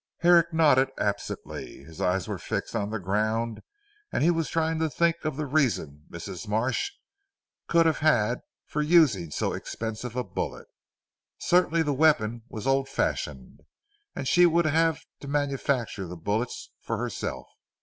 Herrick nodded absently. His eyes were fixed on the ground and he was trying to think of the reason Mrs. Marsh could have had for using so expensive a bullet. Certainly the weapon was old fashioned and she would have to manufacture the bullets for herself.